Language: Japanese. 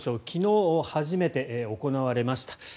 昨日、初めて行われました。